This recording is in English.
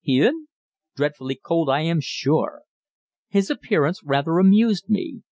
hein? Dreadfully cold, I am sure." His appearance rather amused me.